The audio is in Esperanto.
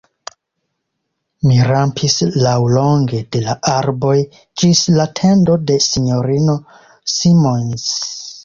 Mi rampis laŭlonge de la arboj ĝis la tendo de S-ino Simons.